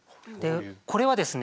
これはですね